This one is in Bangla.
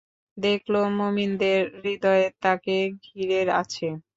দেখল, মুমিনদের হৃদয় তাকে ঘিরে আছে।